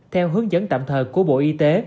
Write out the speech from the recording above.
theo hướng dẫn tạm thời của bộ y tế